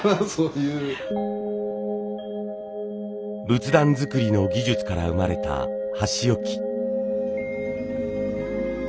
仏壇作りの技術から生まれた箸置き。